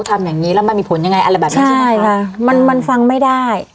ทำอย่างงี้แล้วมันมีผลยังไงอะไรแบบนี้ใช่ไหมใช่ค่ะมันมันฟังไม่ได้